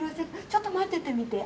ちょっと待っててみて。